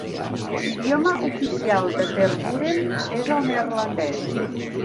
L'idioma oficial de Tervuren és el neerlandès.